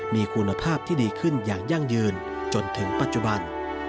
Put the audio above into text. มีคุณภาพที่ดีขึ้นอย่างยั่งยืนจนถึงปัจจุบัน